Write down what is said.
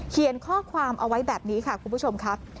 เขียนข้อความเอาไว้แบบนี้ค่ะคุณผู้ชมครับ